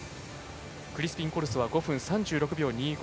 クリスピンコルソは５分３６秒２５。